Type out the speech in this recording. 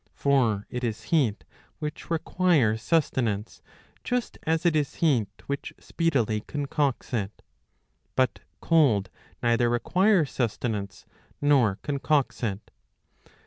For it is heat which requires sustenance; just as it is heat which speedily concocts it,"''^ But cold neither requires sustenance nor concocts it.